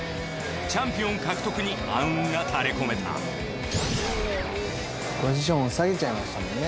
チャンピオン獲得に暗雲が垂れこめたポジションを下げちゃいましたもんね。